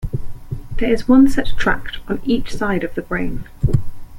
There is one such tract on each side of the brain.